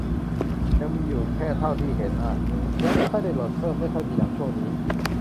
ยังมีอยู่แค่เท่าที่เห็นอะ ยังไม่ค่อยได้โหลดเพิ่ม ไม่ค่อยมีหนังช่วงนี้